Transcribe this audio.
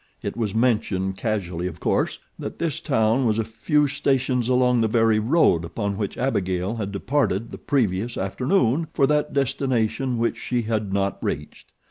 It was mentioned, casually of course, that this town was a few stations along the very road upon which Abigail had departed the previous afternoon for that destination which she had not reached.